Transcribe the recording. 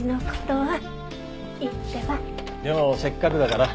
でもせっかくだから。